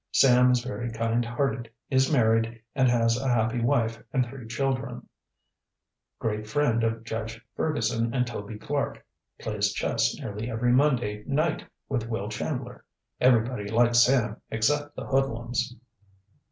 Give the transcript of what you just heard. Sam is very kind hearted; is married and has a happy wife and three children. Great friend of Judge Ferguson and Toby Clark. Plays chess nearly every Monday night with Will Chandler. Everybody likes Sam except the hoodlums.